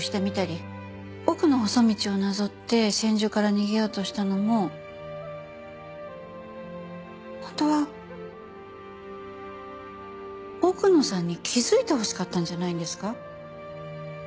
奥の細道をなぞって千住から逃げようとしたのも本当は奥野さんに気づいてほしかったんじゃないんですか？